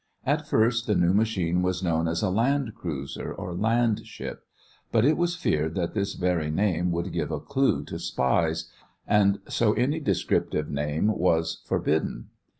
At first the new machine was known as a "land cruiser" or "land ship"; but it was feared that this very name would give a clue to spies, and so any descriptive name was forbidden.